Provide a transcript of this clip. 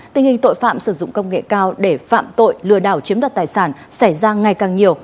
tình hình tội phạm sử dụng công nghệ cao để phạm tội lừa đảo chiếm đoạt tài sản xảy ra ngày càng nhiều